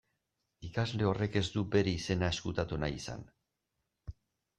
Ikasle horrek ez du bere izena ezkutatu nahi izan.